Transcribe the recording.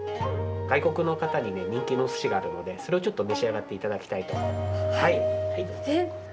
外国の方に人気のおすしがあるのでそれをちょっとお召し上がりください。え？